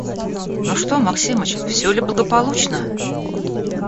Ну, что, Максимыч, все ли благополучно?»